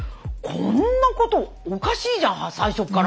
こんなことおかしいじゃん最初っから。